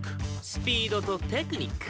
スピードとテクニック。